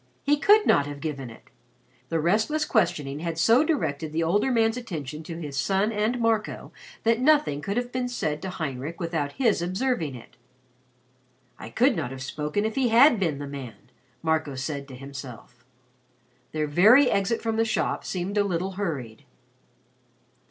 He could not have given it. The restless questioning had so directed the older man's attention to his son and Marco that nothing could have been said to Heinrich without his observing it. "I could not have spoken if he had been the man," Marco said to himself. Their very exit from the shop seemed a little hurried.